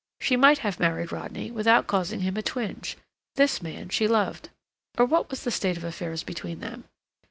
She might have married Rodney without causing him a twinge. This man she loved. Or what was the state of affairs between them?